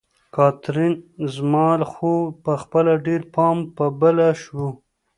کاترین: زما خو خپله ډېر پام په بله شو.